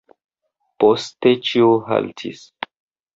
Poste ĉio haltis.